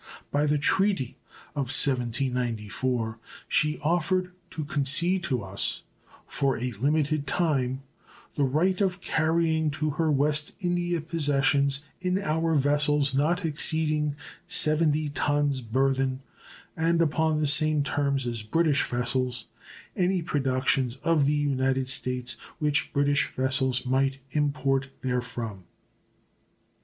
By the treaty of 1794 she offered to concede to us for a limited time the right of carrying to her West India possessions in our vessels not exceeding 70 tons burthen, and upon the same terms as British vessels, any productions of the United States which British vessels might import therefrom.